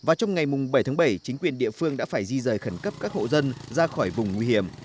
và trong ngày bảy tháng bảy chính quyền địa phương đã phải di rời khẩn cấp các hộ dân ra khỏi vùng nguy hiểm